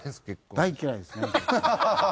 大嫌いですね。